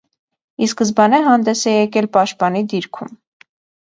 Ի սկզբանե հանդես է եկել պաշտպանի դիրքում։